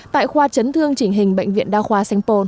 tại khoa chấn thương chỉnh hình bệnh viện đa khoa sanh pôn